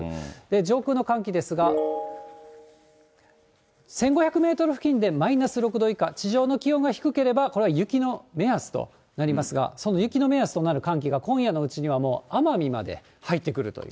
上空の寒気ですが、１５００メートル付近でマイナス６度以下、地上の気温が低ければ、これは雪の目安となりますが、その雪の目安となる寒気が、今夜のうちにはもう、奄美まで入ってくるという。